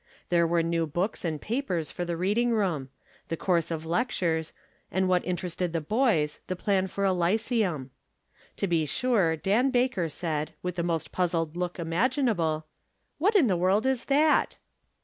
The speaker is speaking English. There were new books and papers for the reading room ; the course of lectures ; and, what interested the boys, the plan for a lyceum. To be sure Dan Baker said, with the most puzzled look imaginable :" What in the world is that